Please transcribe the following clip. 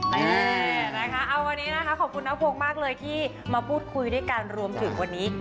วันนี้ขอบคุณพวกมากเลยที่มาพูดคุยด้วยกันรวมถึงวันนี้